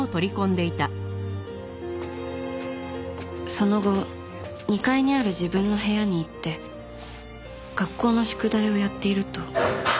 その後２階にある自分の部屋に行って学校の宿題をやっていると。